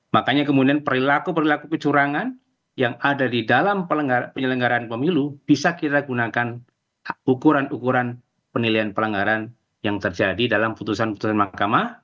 makanya kemudian perilaku perilaku kecurangan yang ada di dalam penyelenggaraan pemilu bisa kita gunakan ukuran ukuran penilaian pelanggaran yang terjadi dalam putusan putusan mahkamah